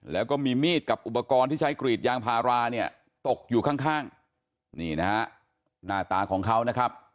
แล้วก็มีมีดกับอุปกรณ์ที่ใช้กรีดยางพาราเนี่ยตกอยู่ข้างนี่นะฮะหน้าตาของเขานะครับ